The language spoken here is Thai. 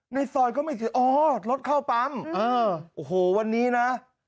ในซอยก็ไม่สิอ๋อรถเข้าปั๊มโอ้โหวันนี้นะ